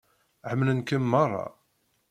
Ḥemmlen-kem meṛṛa.